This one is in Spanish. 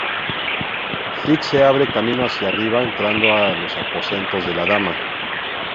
Six se abre camino hacia arriba, entrando en los aposentos de la Dama.